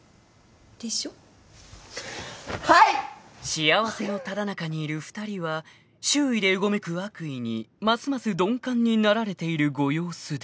［幸せのただ中にいる２人は周囲でうごめく悪意にますます鈍感になられているご様子で］